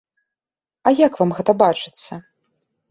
А як вам гэта бачыцца?